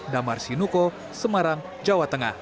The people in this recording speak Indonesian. damar sinuko semarang jawa tengah